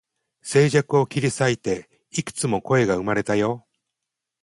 静寂を切り裂いて、幾つも声が生まれたよ